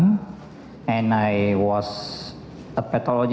dan saya adalah patologi